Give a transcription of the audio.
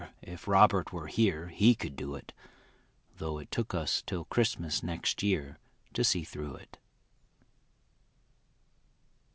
If Robert were here, he could do it, Though it took us till Christmas next year to see through it.